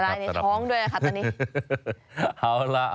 ลายในท้องด้วยนะคะตอนนี้